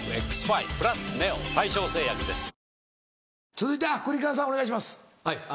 続いてクリカンさんお願いします。